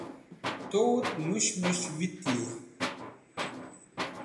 Tuet Mush Mush Vitey